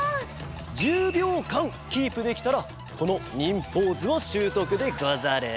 １０びょうかんキープできたらこの忍ポーズはしゅうとくでござる。